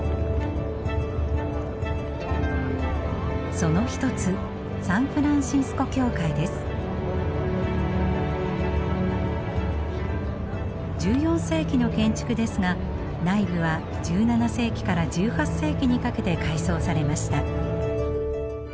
その一つ１４世紀の建築ですが内部は１７世紀から１８世紀にかけて改装されました。